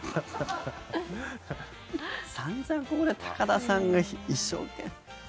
散々ここで高田さんが一生懸命。